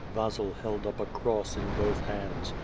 Vasil held up a cross in both hands.